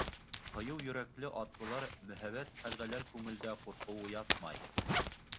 Ҡыйыу йөрәкле атлылар, мөһабәт ҡәлғәләр күңелдә ҡурҡыу уятмай.